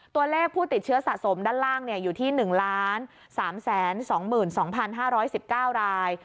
ตัวเลขผู้ติดเชื้อสะสมด้านล่างอยู่ที่๑๓๒๒๕๑๙ราย